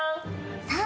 さあ